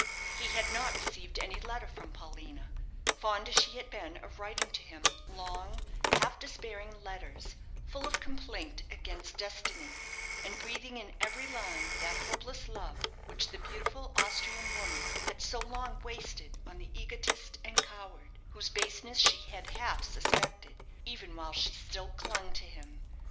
He had not received any letter from Paulina, fond as she had been of writing to him long, half despairing letters, full of complaint against destiny, and breathing in every line that hopeless love which the beautiful Austrian woman had so long wasted on the egotist and coward, whose baseness she had half suspected even while she still clung to him.